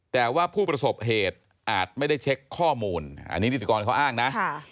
แต่ว่าผู้ประสบเหตุอาจไม่ได้เช็คข้อมูลอันนี้นิติกรเขาอ้างนะ